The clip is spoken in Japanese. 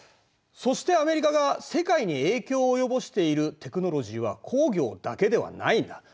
そしてアメリカが世界に影響を及ぼしているテクノロジーは工業だけではないんだ。